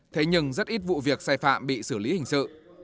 thế nhưng rất ít vụ việc sai phạm bị xử lý hình sự